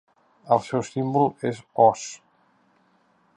El seu símbol és Os.